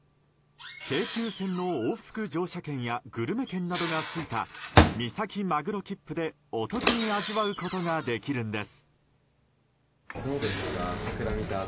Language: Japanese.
京急線の往復乗車券やグルメ券などがついたみさきまぐろきっぷで、お得に味わうことができるんです。